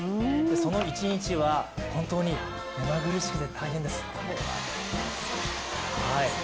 その一日は、本当に目まぐるしくて大変です。